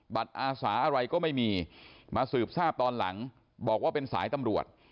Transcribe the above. อาสาอะไรก็ไม่มีมาสืบทราบตอนหลังบอกว่าเป็นสายตำรวจ